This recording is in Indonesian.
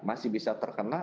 masih bisa terkena